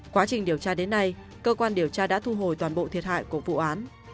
quá trình điều tra đến nay cơ quan điều tra đã thu hồi toàn bộ thiệt hại của vụ án